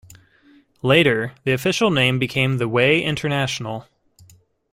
Later the official name became The Way International.